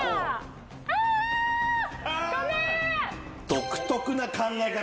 独特な考え方。